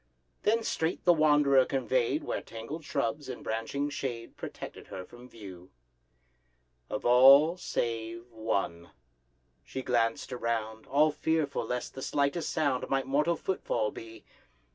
Then straight the wanderer convey'd Where tangled shrubs, in branching shade, Protected her from view— Of all save one. She glanced around, All fearful lest the slightest sound Might mortal footfall be.